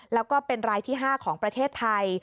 แล้วก็เป็นรายที่๕ของประเทศไทย